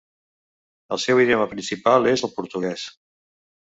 El seu idioma principal és el portuguès.